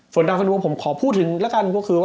ส่วนตามสอนวงผมขอพูดถึงก็คือ